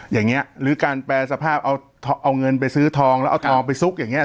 อย่างนี้หรือการแปรสภาพเอาเงินไปซื้อทองแล้วเอาทองไปซุกอย่างนี้